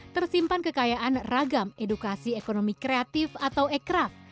tersimpan kekayaan ragam edukasi ekonomi kreatif atau ekraf